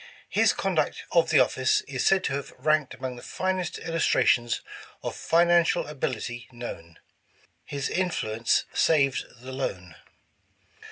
His conduct of the office is said to 228 War of 1812 have '^ranked among the finest illustrations of financial ability known. '' His influence '' saved the loan.